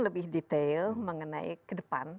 lebih detail mengenai kedepan